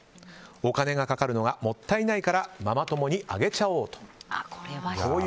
お金がかかるのはもったいないからママ友にあげちゃおう！と。